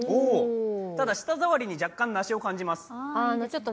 ただ、舌触りに若干梨を感じます。